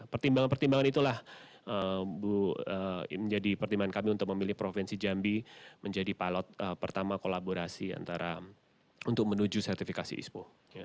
pertimbangan pertimbangan itulah menjadi pertimbangan kami untuk memilih provinsi jambi menjadi pilot pertama kolaborasi antara untuk menuju sertifikasi ispo